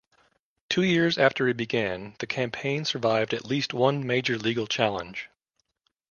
Two years after it began, the campaign survived at least one major legal challenge.